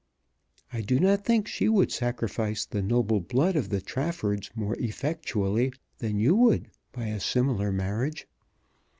I do not think she would sacrifice the noble blood of the Traffords more effectually than you would by a similar marriage."